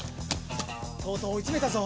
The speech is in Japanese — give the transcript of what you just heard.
とうとうおいつめたぞ！